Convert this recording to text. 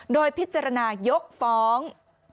โดยพิจารณายกฟ้อง